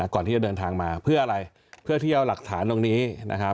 ก่อนที่จะเดินทางมาเพื่ออะไรเพื่อที่จะเอาหลักฐานตรงนี้นะครับ